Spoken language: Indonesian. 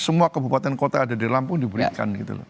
semua kabupaten kota ada di lampung diberikan gitu loh